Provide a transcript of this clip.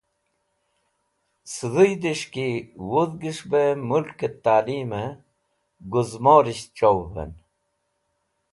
Sẽdhũdẽs̃h ki wudhgẽs̃h bẽ mũlkẽt talimẽ gũzmorisht chawũvẽn